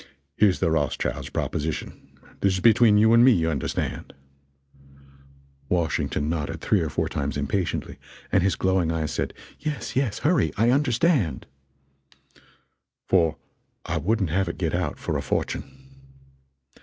Here's the Rothschild's proposition this is between you and me, you understand " Washington nodded three or four times impatiently, and his glowing eyes said, "Yes, yes hurry I understand " "for I wouldn't have it get out for a fortune.